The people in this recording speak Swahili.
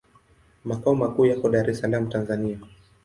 Makao makuu yako Dar es Salaam, Tanzania.